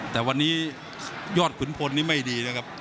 แต่วันนี้ยอดขุนพลนี่ไม่ดีนะครับ